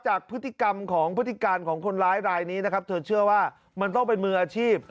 จากพฤติกรรมของพฤติการของคนร้ายรายนี้นะครับเธอเชื่อว่ามันต้องเป็นมืออาชีพ